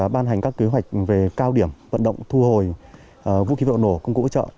ban hành các kế hoạch về cao điểm vận động thu hồi vũ khí vụ nổ công cụ ủy trợ